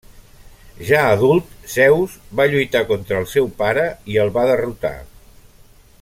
Ja adult, Zeus va lluitar contra el seu pare i el va derrotar.